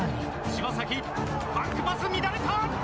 柴崎、バックパス乱れた！